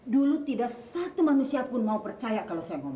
dulu tidak satu manusia pun mau percaya kalau saya mau